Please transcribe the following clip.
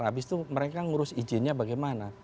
habis itu mereka ngurus izinnya bagaimana